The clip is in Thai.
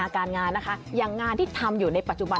การงานนะคะอย่างงานที่ทำอยู่ในปัจจุบัน